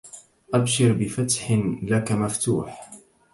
أبشر بفتح لك مفتوح